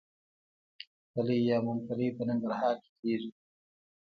پلی یا ممپلی په ننګرهار کې کیږي.